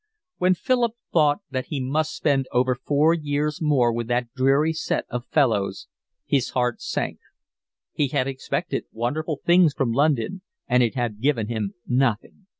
When Philip thought that he must spend over four years more with that dreary set of fellows his heart sank. He had expected wonderful things from London and it had given him nothing.